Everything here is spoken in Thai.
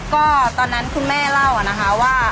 ก็ตอนนั้นคุณแม่เล่านะคะว่า